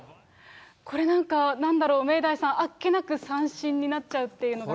これなんか、なんだろう、明大さん、あっけなく三振になっちゃうというのがね。